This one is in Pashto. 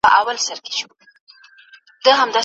رحیم ولې د کوټې ور په لغته وواهه؟